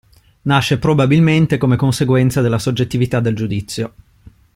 Nasce probabilmente come conseguenza della soggettività del giudizio.